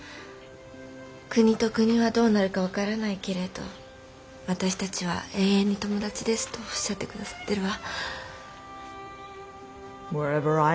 「国と国はどうなるか分からないけれど私たちは永遠に友達です」とおっしゃって下さってるわ。